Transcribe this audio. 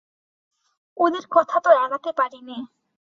ওদের কথা তো এড়াতে পারিনে।